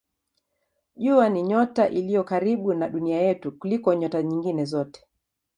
Jua ni nyota iliyo karibu na Dunia yetu kuliko nyota nyingine zote.